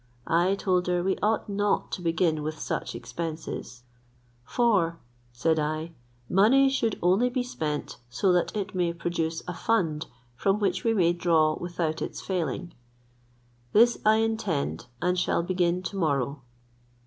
I told her we ought not to begin with such expenses; "for," said I, "money should only be spent, so that it may produce a fund from which we may draw without its failing. This I intend, and shall begin to morrow."